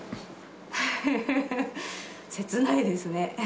切ないですね。